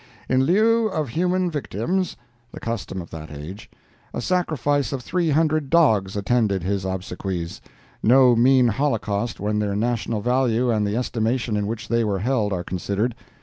"In lieu of human victims (the custom of that age), a sacrifice of three hundred dogs attended his obsequies—no mean holocaust when their national value and the estimation in which they were held are considered.